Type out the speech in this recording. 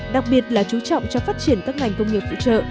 đặc biệt là chú trọng cho phát triển các ngành công nghiệp phụ trợ